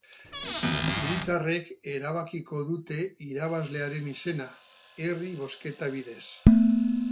Hiritarrek erabakiko dute irabazlearen izena, herri-bozketa bidez.